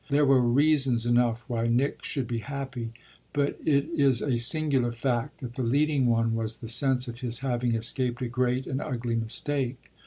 There were reasons enough why Nick should be happy; but it is a singular fact that the leading one was the sense of his having escaped a great and ugly mistake.